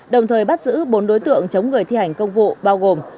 đồng thời bắt giữ bốn đối tượng chống người thi hành công vụ bao gồm